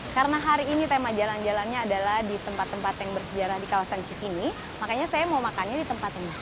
karena hari ini tema jalan jalannya adalah di tempat tempat yang bersejarah di kawasan cikini makanya saya mau makannya di tempat yang juga bersih